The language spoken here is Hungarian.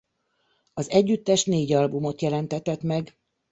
Az együttes négy albumot jelentetett meg.